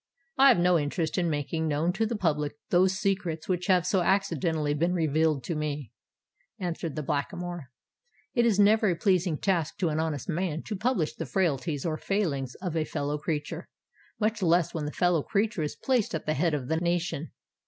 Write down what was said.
"I have no interest in making known to the public those secrets which have so accidentally been revealed to me," answered the Blackamoor. "It is never a pleasing task to an honest man to publish the frailties or failings of a fellow creature—much less when that fellow creature is placed at the head of the nation.